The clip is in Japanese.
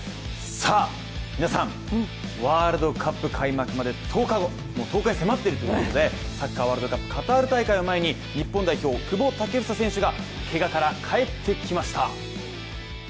皆さん、ワールドカップ開幕まであと１０日に迫っているということでサッカーワールドカップ、カタール大会を前に日本代表・久保建英選手がけがから帰ってきました。